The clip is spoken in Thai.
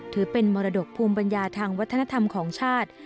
ถือเป็นมรดกภูมิปัญญาทางวัฒนธรรมของชาติ